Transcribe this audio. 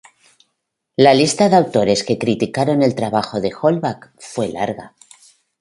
La lista de autores que criticaron el trabajo de d'Holbach fue larga.